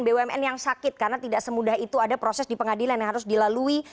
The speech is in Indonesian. bumn yang sakit karena tidak semudah itu ada proses di pengadilan yang harus dilalui